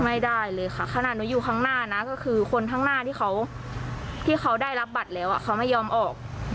ไม่ได้เลยค่ะขนาดหนูอยู่ข้างหน้านะก็คือคนข้างหน้าที่เขาที่เขาได้รับบัตรแล้วเขาไม่ยอมออก